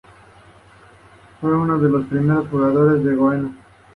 Llevó a cabo tanto observaciones meteorológicas como astronómicas.